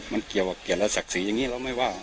มันเกี่ยวกับเกียรติและศักดิ์ศรีอย่างนี้เราไม่ว่า